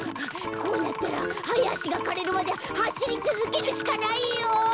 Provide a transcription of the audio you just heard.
こうなったらハヤアシがかれるまではしりつづけるしかないよ！